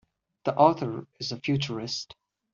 The author is a futurist.